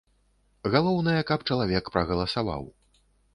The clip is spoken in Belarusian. Галоўнае, каб чалавек прагаласаваў.